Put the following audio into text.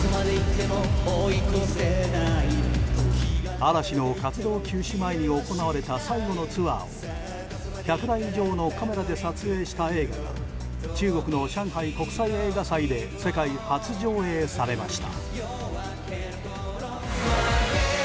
嵐の活動休止前に行われた最後のツアーを１００台以上のカメラで撮影した映像が中国の上海国際映画祭で世界初上映されました。